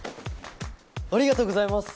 ありがとうございます！